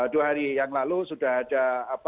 dua hari yang lalu sudah ada